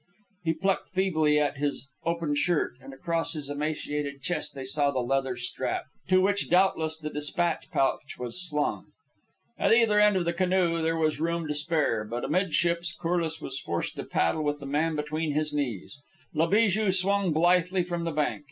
He plucked feebly at his open shirt, and across his emaciated chest they saw the leather strap, to which, doubtless, the despatch pouch was slung. At either end of the canoe there was room to spare, but amidships Corliss was forced to paddle with the man between his knees. La Bijou swung out blithely from the bank.